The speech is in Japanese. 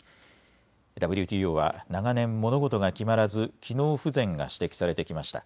ＷＴＯは長年、物事が決まらず機能不全が指摘されてきました。